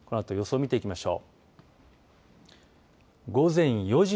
このあと見ていきましょう。